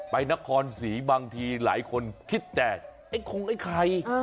ไปนครศรีบางทีหลายคนคิดแต่เอ๊ะคงได้ใคร